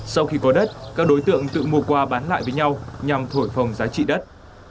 sau khi có đất các đối tượng tự mua qua bán lại với nhau nhằm thổi phồng giá trị đất